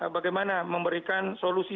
bagaimana memberikan solusi